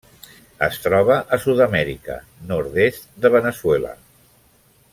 Es troba a Sud-amèrica: nord-est de Veneçuela.